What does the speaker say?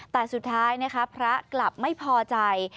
แต่สุดท้ายนะคะพระกลับไม่พอใจ